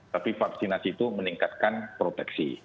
tapi vaksinasi itu meningkatkan proteksi